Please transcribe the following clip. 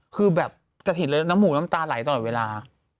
คือแบบกระถิ่นแล้วน้ำหูน้ำตาไหลตลอดเวลา